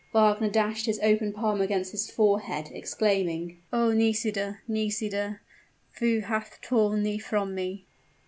Wagner dashed his open palm against his forehead, exclaiming, "Oh! Nisida Nisida! who hath torn thee from me!"